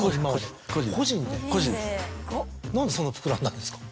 何でそんな膨らんだんですか？